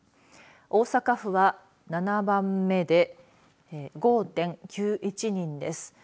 大阪府は７番目で５．９１人です。